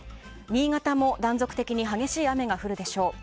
新潟も断続的に激しい雨が降るでしょう。